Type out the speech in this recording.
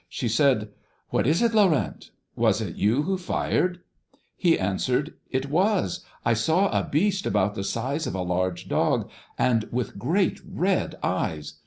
She said, 'What is it, Laurent? Was it you who fired?' "He answered, 'It was I. I saw a beast about the size of a large dog, and with great red eyes.